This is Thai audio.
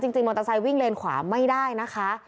จริงมอเตอร์ไซค์วิ่งเลนขวาไม่ได้นะคะ